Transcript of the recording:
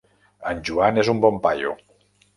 En Joan és un bon paio.